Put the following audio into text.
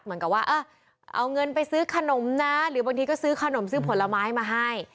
เหมือนกับว่าเออเอาเงินไปซื้อขนมนะหรือบางทีก็ซื้อขนมซื้อผลไม้มาให้